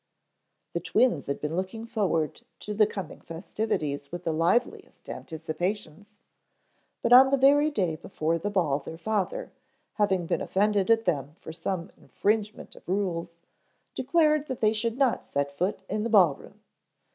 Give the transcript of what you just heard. The twins had been looking forward to the coming festivities with the liveliest anticipations, but on the very day before the ball their father, having been offended at them for some infringement of rules, declared that they should not set foot in the ball room.